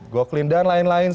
goclean dan lain lain